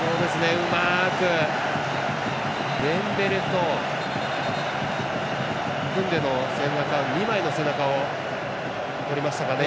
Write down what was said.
うまくデンベレとクンデの２枚の背中を抜きましたかね。